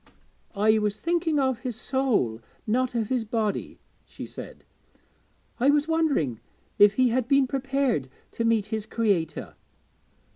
'I was thinking of his soul, not of his body,' she said. 'I was wondering if he had been prepared to meet his Creator.'